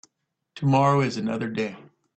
Tomorrow is another day.